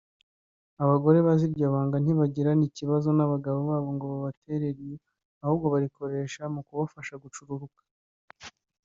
Abagore bazi iryo banga ntibagirana ikibazo n’abagabo ngo baterere iyo ahubwo barikoresha mu kubafasha gucururuka